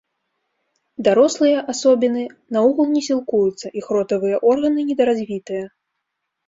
Дарослыя асобіны наогул не сілкуюцца, іх ротавыя органы недаразвітыя.